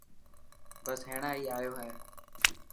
بس هينڻا هي آيو هي.